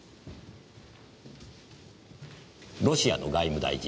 ロシアの外務大臣？